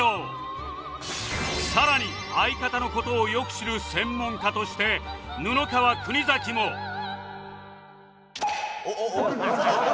更に相方の事をよく知る専門家として布川国崎もおっおっおっ！